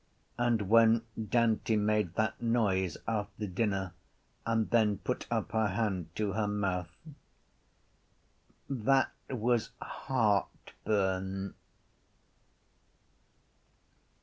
And when Dante made that noise after dinner and then put up her hand to her mouth: that was heartburn.